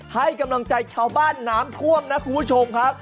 ให้กำลังใจชาวบ้านน้ำท่วมนะคุณผู้ชมครับ